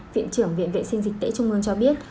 viện trưởng viện vệ sinh dịch tễ trung ương cho biết